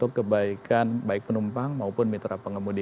kebaikan baik penumpang maupun mitra pengemudi